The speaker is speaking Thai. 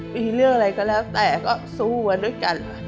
พี่เลือกอะไรก็แล้วแต่ก็สู้ด้วยกัน